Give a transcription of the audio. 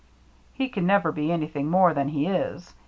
"He can never be anything more than he is.